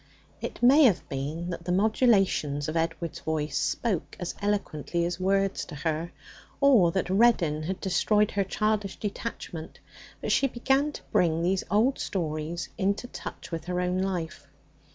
"' It may have been that the modulations of Edward's voice spoke as eloquently as words to her, or that Reddin had destroyed her childish detachment, but she began to bring these old tales into touch with her own life.